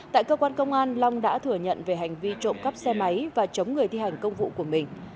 tại cơ quan công an long đã thừa nhận về hành vi trộm cắp xe máy và chống người thi hành công vụ của mình